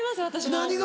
何が？